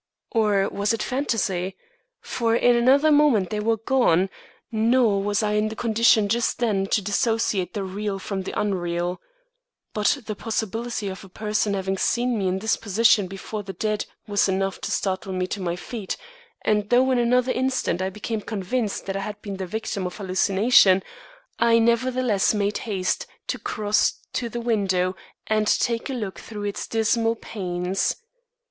Or was it fantasy? For in another moment they were gone, nor was I in the condition just then to dissociate the real from the unreal. But the possibility of a person having seen me in this position before the dead was enough to startle me to my feet, and though in another instant I became convinced that I had been the victim of hallucination, I nevertheless made haste to cross to the window and take a look through its dismal panes.